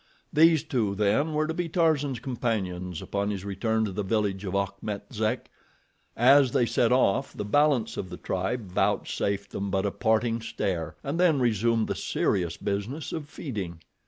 These two, then, were to be Tarzan's companions upon his return to the village of Achmet Zek. As they set off, the balance of the tribe vouchsafed them but a parting stare, and then resumed the serious business of feeding.